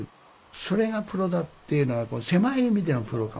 それがプロだっていうのは狭い意味でのプロかもしれない。